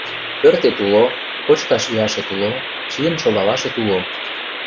Пӧртет уло, кочкаш-йӱашет уло, чиен шогалашет уло.